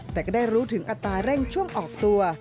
แต่ก็ได้รู้ถึงอัตราเร่งช่วงออกตัว